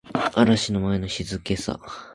嵐の前の静けさ